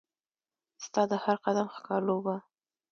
ستا د هرقدم ښکالو به